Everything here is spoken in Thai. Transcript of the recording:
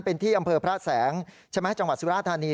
เป็นที่อำเภอพระแสงจังหวัดสุราธารณี